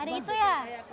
ada itu ya